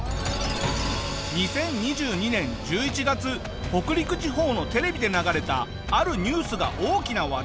２０２２年１１月北陸地方のテレビで流れたあるニュースが大きな話題を呼んだ。